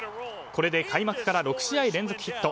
これで開幕から６試合連続ヒット。